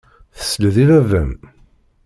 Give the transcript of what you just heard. Tesliḍ i baba-m.